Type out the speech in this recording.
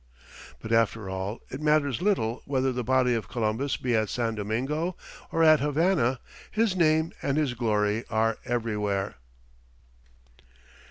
But after all, it matters little whether the body of Columbus be at San Domingo or at Havana; his name and his glory are everywhere.